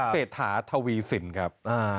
เศรษฐาทวีสินครับ